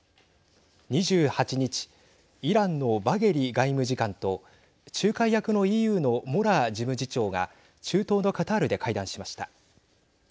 ２８日イランのバゲリ外務次官と仲介役のＥＵのモラ事務次長が中東のカタールで会談しました。